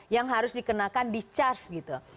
yang harus dikenakan di charge gitu